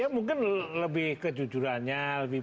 ya mungkin lebih kejujurannya